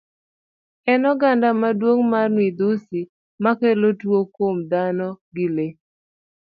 En oganda maduong' mar midhusi makelo tuo kuom dhano gi lee.